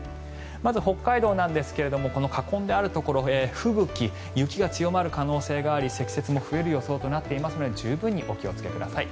まず北海道なんですが囲んであるところ吹雪、雪が強まる可能性があり積雪の可能性もあるので十分にお気をつけください。